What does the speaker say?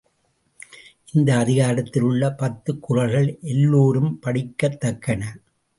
இந்த அதிகாரத்தில் உள்ள பத்துக் குறள்கள் எல்லோரும் படிக்கத்தக்கன.